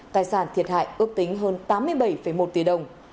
tài sản thiệt hại ước tính hơn tám mươi bảy một tỷ đồng